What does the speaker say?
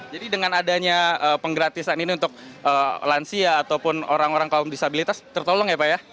dengan adanya penggratisan ini untuk lansia ataupun orang orang kaum disabilitas tertolong ya pak ya